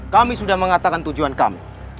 kami sudah mengatakan tujuan kami